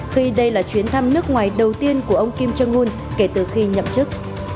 khi đây là chuyến thăm nước ngoài đầu tiên của ông kim trân nguồn kể từ khi nhậm chức